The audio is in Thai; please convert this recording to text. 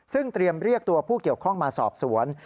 ซึ่งเตรียมเรียกตัวผู้เกี่ยวข้องมาสอบสวน